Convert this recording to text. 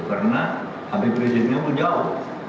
karena habis berhenti nya jauh